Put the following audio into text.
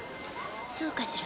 そうかしら？